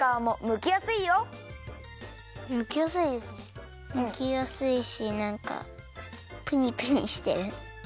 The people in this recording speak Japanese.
むきやすいしなんかプニプニしてる。